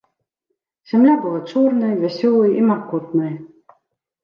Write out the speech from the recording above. Зямля была чорнай, вясёлай і маркотнай.